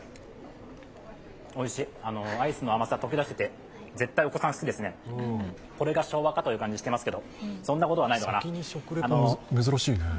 おいしいアイスの甘さが溶け出していて絶対お子さん好きですね、これが昭和かという感じがしてますけど、そんなことはないのかな。